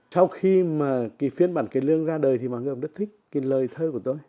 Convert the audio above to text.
sau khi mà cái phiên bản kiến lương ra đời thì mọi người cũng rất thích cái lời thơ của tôi